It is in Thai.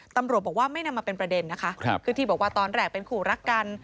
ตำรวจบอกว่าไม่นำมาเป็นประเด็นนะคะคือที่บอกว่าตอนแรกเป็นคู่รักกัน